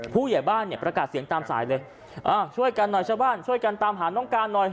ผู้ใหญ่บ้านเนี่ยประกาศเสียงตามสายเลยช่วยกันหน่อยชาวบ้านช่วยกันตามหาน้องการหน่อย